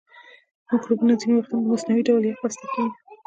مکروبونه ځینې وختونه مصنوعي ډول یخ بسته کیږي.